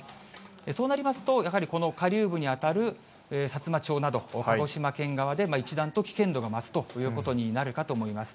そうなりますと、やはりこの下流部に当たるさつま町など、鹿児島県側で一段と危険度が増すということになるかと思います。